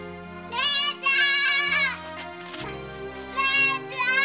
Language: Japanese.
姉ちゃん